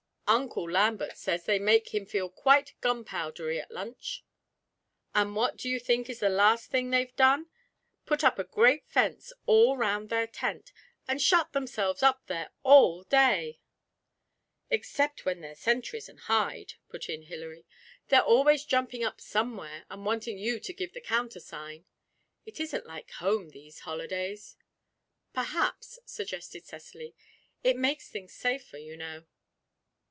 Uncle Lambert says they make him feel quite gunpowdery at lunch. And what do you think is the last thing they've done? put up a great fence all round their tent, and shut themselves up there all day!' 'Except when they're sentries and hide,' put in Hilary; 'they're always jumping up somewhere and wanting you to give the countersign. It isn't like home, these holidays!' 'Perhaps,' suggested Cecily, 'it makes things safer, you know.'